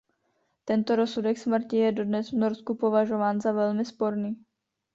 Tento rozsudek smrti je dodnes v Norsku považován za velmi sporný.